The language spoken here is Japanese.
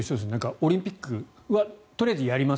オリンピックはとりあえずやります。